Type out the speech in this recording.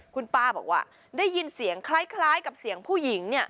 คุณป้าบอกว่าได้ยินเสียงคล้ายกับเสียงผู้หญิงเนี่ย